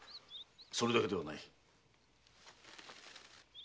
それだけではない。